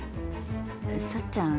幸ちゃん